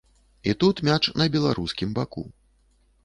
І тут мяч на беларускім баку.